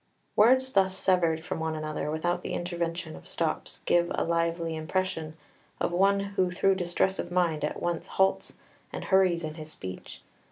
Words thus severed from one another without the intervention of stops give a lively impression of one who through distress of mind at once halts and hurries in his speech.